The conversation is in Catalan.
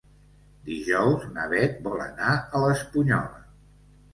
Dijous na Beth vol anar a l'Espunyola.